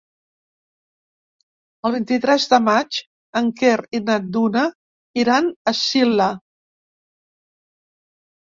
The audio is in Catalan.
El vint-i-tres de maig en Quer i na Duna iran a Silla.